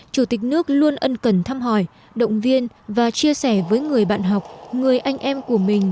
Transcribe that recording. chủ tịch nước luôn ân cần thăm hỏi động viên và chia sẻ với người bạn học người anh em của mình